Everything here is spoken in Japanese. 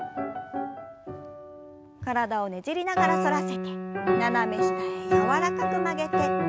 体をねじりながら反らせて斜め下へ柔らかく曲げて。